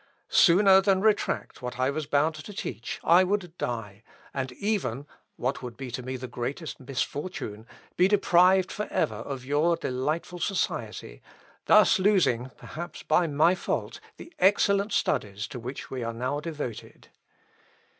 Sooner than retract what I was bound to teach, I would die, and even (what would be to me the greatest misfortune) be deprived for ever of your delightful society, thus losing (perhaps by my fault) the excellent studies to which we are now devoted.